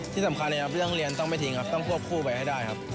ที่สำคัญเลยครับเรื่องเรียนต้องไม่ทิ้งครับต้องควบคู่ไปให้ได้ครับ